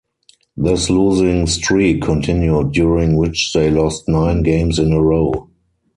The losing streak continued, during which they lost nine games in a row.